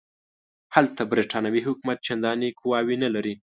هلته برټانوي حکومت چنداني قواوې نه لري.